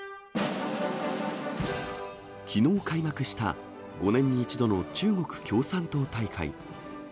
きのう開幕した５年に１度の中国共産党大会。